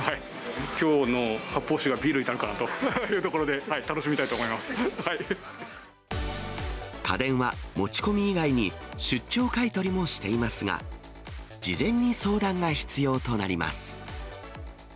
きょうの発泡酒がビールになるかなというところで、楽しみたいと家電は、持ち込み以外に出張買い取りもしていますが、事前に相談が必要となります。